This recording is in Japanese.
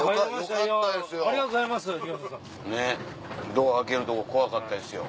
ドア開けるとこ怖かったですよ